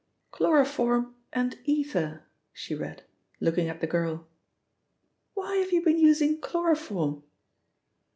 "'Chloroform and Ether'," she read, looking at the girl. "Why have you been using chloroform?"